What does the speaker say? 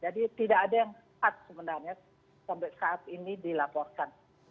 tidak ada yang tepat sebenarnya sampai saat ini dilaporkan